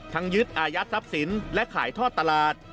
ยึดอายัดทรัพย์สินและขายทอดตลาด